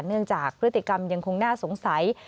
เนื่องจากพฤติกรรมยังคงน่าสงสัย